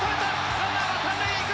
ランナーが３塁へ行く。